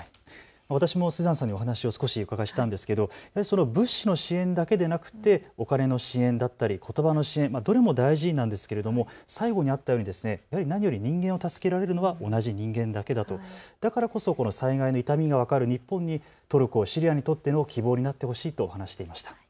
私もスザンさんにお話を少し伺ったんですけれども物資の支援だけではなくてお金の支援だったりことばの支援、どれも大事なんですけども最後に何より人間を助けられるのは同じ人間だけだと、だからこそ災害の痛みが分かる日本にトルコ、シリアにとっての希望になってほしいと話していました。